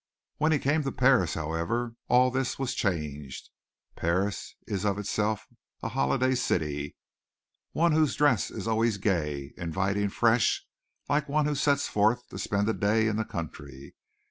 When he came to Paris, however, all this was changed. Paris is of itself a holiday city one whose dress is always gay, inviting, fresh, like one who sets forth to spend a day in the country.